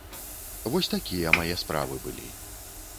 Вось такія мае справы былі.